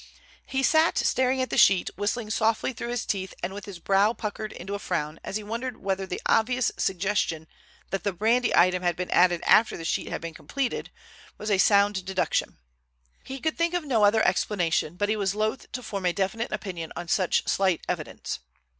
He sat staring at the sheet, whistling softly through his teeth and with his brow puckered into a frown, as he wondered whether the obvious suggestion that the brandy item had been added after the sheet had been completed, was a sound deduction. He could think of no other explanation, but he was loath to form a definite opinion on such slight evidence.